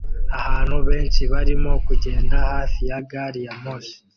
Abantu benshi barimo kugenda hafi ya gari ya moshi